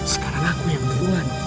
sekarang aku yang duluan